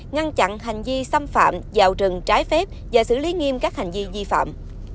ngăn chặn hành di xâm phạm vào rừng trái phép và xử lý nghiêm các hành di vi phạm